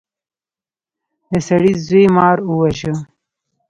د سړي زوی مار وواژه.